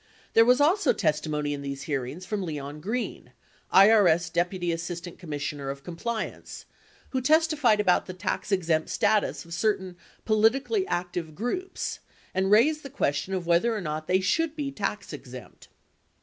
57 There was also testimony in these hearings from Leon Greene, IRS Deputy Assistant Commissioner of Compliance, who testified about the tax exempt status of certain politically active groups and raised the question of whether or not they should be tax exempt.